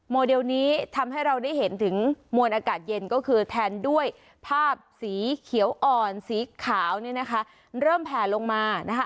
โมเดลนี้ทำให้เราได้เห็นถึงมวลอากาศเย็นก็คือแทนด้วยภาพสีเขียวอ่อนสีขาวเนี่ยนะคะเริ่มแผ่ลงมานะคะ